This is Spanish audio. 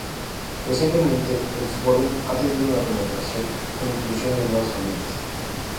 Recientemente el suborden ha tenido una remodelación, con inclusión de nuevas familias.